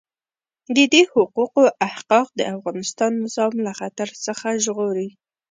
د دې حقوقو احقاق د افغانستان نظام له خطر څخه ژغوري.